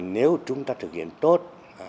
nếu chúng ta thực hiện tốt